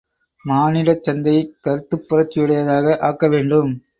மானிடச் சந்தையைக் கருத்துப் புரட்சியுடையதாக ஆக்க வேண்டும்.